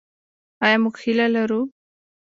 آیا موږ هیله لرو؟